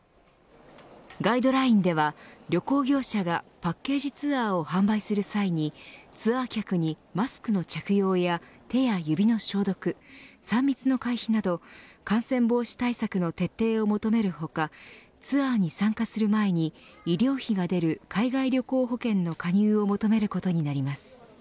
ガイドラインでは旅行業者がパッケージツアーを販売する際にツアー客にマスクの着用や、手や指の消毒３密の回避など感染防止対策の徹底を求める他ツアーに参加する前に医療費が出る海外旅行保険の加入を求めることになります。